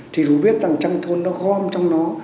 thì chúng ta biết rằng tranh thôn nó gom trong nó